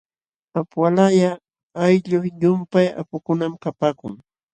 Apuqalaya ayllu llumpay apukunam kapaakun.